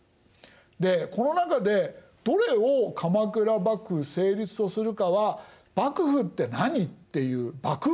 でこの中でどれを鎌倉幕府成立とするかは「幕府って何？」っていう幕府観。